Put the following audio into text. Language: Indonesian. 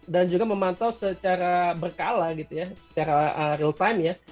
dan juga memantau secara berkala gitu ya secara real time ya